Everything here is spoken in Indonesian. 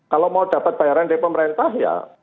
kalau mau dapat bayaran dari pemerintah ya